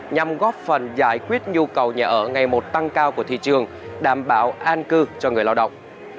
nhằm góp phần giải quyết nhu cầu nhà ở ngày một tăng cao của thị trường đảm bảo an cư cho người lao động